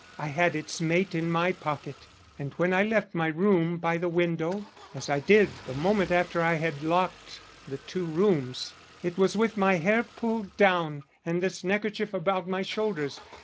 I had its mate in my pocket, and when I left my room by the window, as I did the moment after I had locked the two rooms, it was with my hair pulled down and this neckerchief about my shoulders.